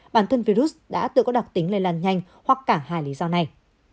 bản thân virus đã tự có đặc tính lây lan nhanh hoặc cả hai lý do này